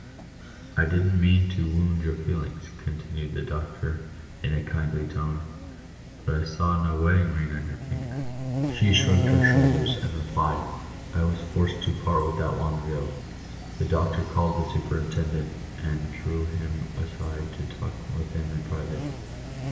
" I didn't mean to wound your feelings," continued the doctor, in a kindly tone, " but I saw no wedding ring on your finger." She shrugged her shoulders, and replied, " I was forced to part with that long ago." The doctor called the superintendent, and drew him aside to talk with him in private.